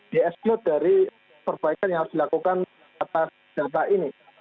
di expload dari perbaikan yang harus dilakukan atas data ini